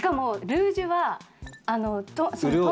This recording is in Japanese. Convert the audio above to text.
ルージュ？